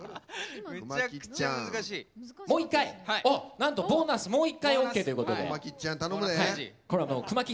もう一回、なんとボーナスもう一回オーケーということで。